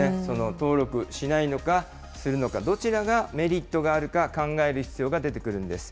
登録しないのか、するのか、どちらがメリットがあるか考える必要が出てくるんです。